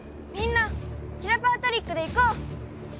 みんなキラパワトリックでいこう！